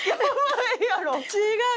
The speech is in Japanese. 違う！